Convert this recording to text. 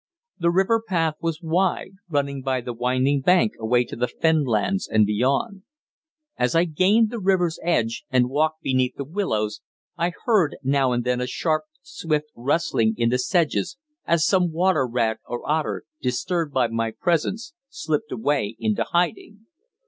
The river path was wide, running by the winding bank away to the fen lands and beyond. As I gained the river's edge and walked beneath the willows I heard now and then a sharp, swift rustling in the sedges as some water rat or otter, disturbed by my presence, slipped away into hiding.